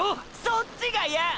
そっちがや！！